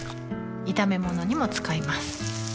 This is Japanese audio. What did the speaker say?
炒め物にも使います